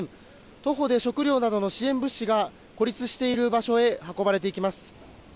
徒歩で食料などの支援物資が孤立している場所へ運ばれていきます。